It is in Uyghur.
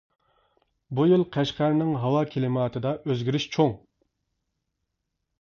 بۇ يىل قەشقەرنىڭ ھاۋا كىلىماتىدا ئۆزگىرىش چوڭ.